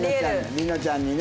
璃乃ちゃんにね。